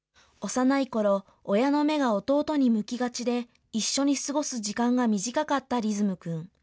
幼いころ、親の目が弟に向きがちで、一緒に過ごす時間が短かった律夢くん。